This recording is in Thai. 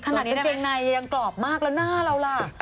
กางเกงในยังกรอบมากแล้วหน้าเราล่ะ